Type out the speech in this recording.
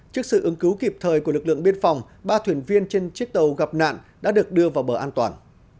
trước sự ứng cứu kịp thời của lực lượng biên phòng ba thuyền viên trên chiếc tàu gặp nạn đã được đưa vào bờ an toàn